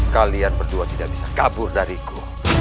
kalian berdua tidak bisa kabur dariku